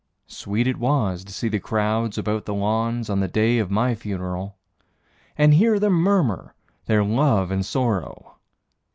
Sweet it was to see the crowds about the lawns on the day of my funeral, And hear them murmur their love and sorrow.